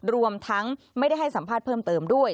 รวมทั้งไม่ได้ให้สัมภาษณ์เพิ่มเติมด้วย